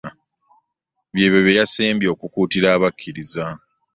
Byebyo bye yasembye okukuutira abakkiriza.